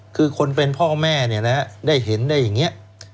คือคนเป็นพ่อแม่ได้เห็นได้อย่างนี้